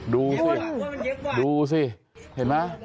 ดูสิดูสิเห็นไหม